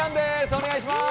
お願いします！